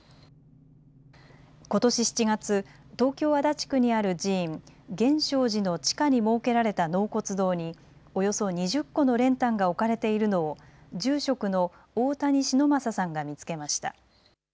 ことし７月、東京足立区にある寺院、源証寺の地下に設けられた納骨堂におよそ２０個の練炭が置かれているのを住職の大谷忍昌さんが見つけました。